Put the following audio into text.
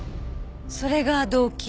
それが動機？